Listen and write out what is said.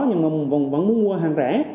nhưng mà vẫn muốn mua hàng rẻ